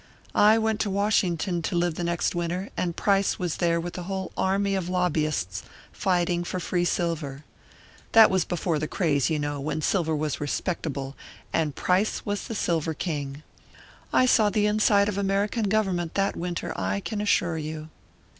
I went to Washington to live the next winter, and Price was there with a whole army of lobbyists, fighting for free silver. That was before the craze, you know, when silver was respectable; and Price was the Silver King. I saw the inside of American government that winter, I can assure you."